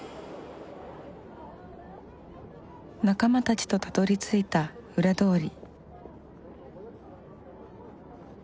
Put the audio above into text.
仲間たちとたどりついた裏通り。